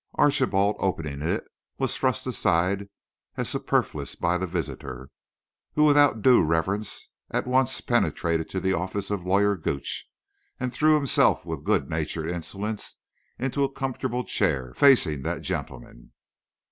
Archibald, opening it, was thrust aside as superfluous by the visitor, who without due reverence at once penetrated to the office of Lawyer Gooch and threw himself with good natured insolence into a comfortable chair facing that gentlemen.